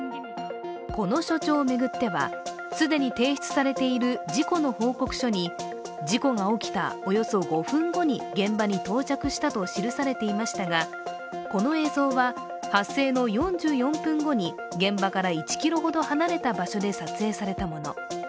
この署長を巡っては、既に提出されている事故の報告書に事故が起きたおよそ５分後に現場に到着したと記されていましたがこの映像は、発生の４４分後に現場から１ｋｍほど離れた場所で撮影されたもの。